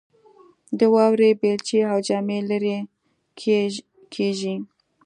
د واورې بیلچې او جامې لیرې کیږي